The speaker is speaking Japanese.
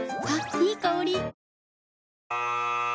いい香り。